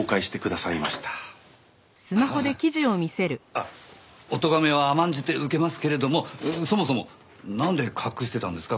あっおとがめは甘んじて受けますけれどもそもそもなんで隠してたんですか？